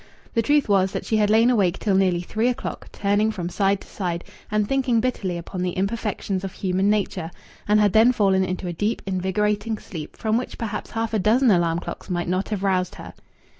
The truth was that she had lain awake till nearly three o'clock, turning from side to side and thinking bitterly upon the imperfections of human nature, and had then fallen into a deep, invigorating sleep from which perhaps half a dozen alarm clocks might not have roused her.